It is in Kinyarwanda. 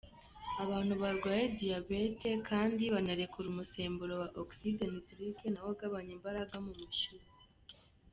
Abantu barwaye diyabete kandi banarekura umusemburo wa oxide nitrique nawo ugabanya imbaraga mu mushyukwe.